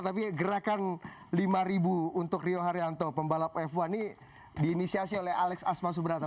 tapi gerakan lima untuk rio haryanto pembalap f satu ini diinisiasi oleh alex asma subrata